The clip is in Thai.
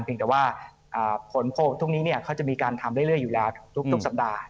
แต่ว่าผลโพลพวกนี้เขาจะมีการทำเรื่อยอยู่แล้วทุกสัปดาห์